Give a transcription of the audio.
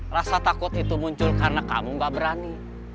rasa takut itu muncul karena kamu gak berani